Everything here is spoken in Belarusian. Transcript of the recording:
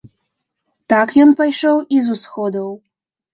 Так ён пайшоў і з усходаў.